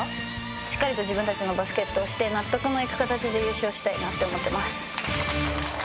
しっかりと自分たちのバスケットをして納得のいく形で優勝したいなって思ってます。